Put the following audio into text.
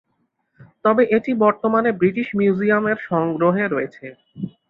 তবে এটি বর্তমানে ব্রিটিশ মিউজিয়াম এর সংগ্রহে রয়েছে।